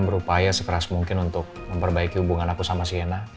berupaya sekeras mungkin untuk memperbaiki hubungan aku sama siana